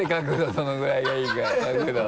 どのぐらいがいいか角度。